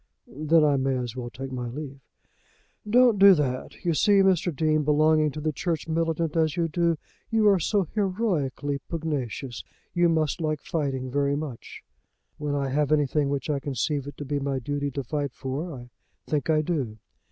"Then I may as well take my leave." "Don't do that. You see, Mr. Dean, belonging to the church militant as you do, you are so heroically pugnacious! You must like fighting very much." "When I have anything which I conceive it to be my duty to fight for, I think I do."